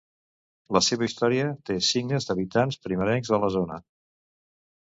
La seva història té signes d'habitants primerencs de la zona.